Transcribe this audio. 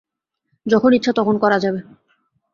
যখন ইচ্ছা তখন করা যাবে।